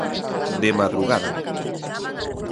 De madrugada.